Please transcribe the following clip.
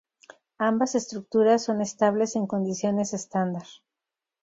Ambas estructuras son estables en condiciones estándar.